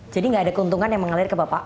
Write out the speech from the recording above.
jadi nggak ada keuntungan yang mengalir ke bapak